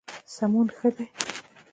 سمون ښه دی.